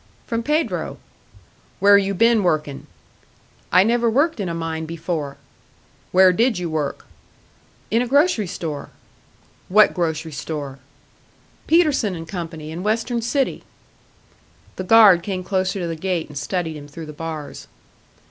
"From Pedro." "Where you been working?" "I never worked in a mine before." "Where did you work?" "In a grocery store." "What grocery store?" "Peterson & Co., in Western City." The guard came closer to the gate and studied him through the bars.